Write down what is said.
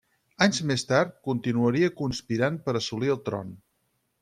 Anys més tard continuaria conspirant per assolir el tron.